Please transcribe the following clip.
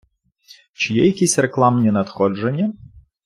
Чи є якісь рекламні надходження?